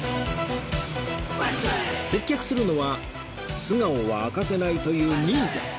接客するのは素顔は明かせないという忍者